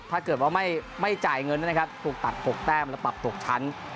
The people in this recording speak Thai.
ถ้าเกิดว่าไม่จ่ายเงินนะครับถูกตัด๖แต้มแล้วปรับตกชั้น